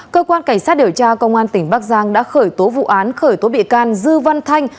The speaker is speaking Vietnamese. cơ quan cảnh sát điều tra công an tỉnh bắc giang đã khởi tố vụ án khởi tố bị can dư văn thanh